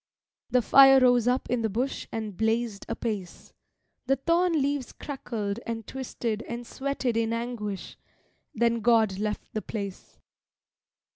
The fire rose up in the bush and blazed apace, The thorn leaves crackled and twisted and sweated in anguish; Then God left the place.